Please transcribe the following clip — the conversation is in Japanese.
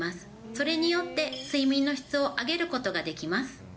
それによって、睡眠の質を上げることができます。